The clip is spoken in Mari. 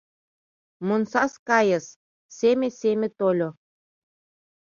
Монсас кайыс — семе-семе тольо.